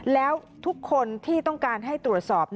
แล้วทุกคนที่ต้องการให้ตรวจสอบ